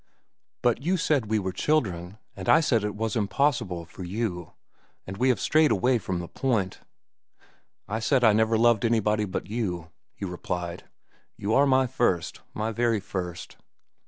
"But you said we were children, and I said it was impossible, for you, and we have strayed away from the point." "I said that I never loved anybody but you," he replied. "You are my first, my very first."